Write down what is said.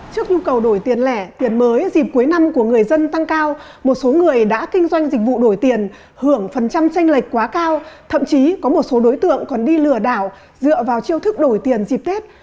trước nhu cầu đổi tiền lẻ tiền mới dịp cuối năm của người dân tăng cao một số người đã kinh doanh dịch vụ đổi tiền hưởng phần trăm tranh lệch quá cao thậm chí có một số đối tượng còn đi lừa đảo dựa vào chiêu thức đổi tiền dịp tết